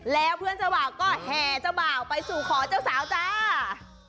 แล้วเพื่อนเจ้าบ่าวก็แห่เจ้าบ่าวไปสู่ขอเจ้าสาวจ้า